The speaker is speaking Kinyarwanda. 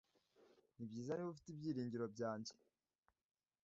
Nibyiza niba ufite ibyiringiro byanjye